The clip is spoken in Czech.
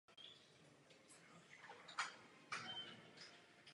V poválečném období byly opraveny nástěnné malby v obřadní síni.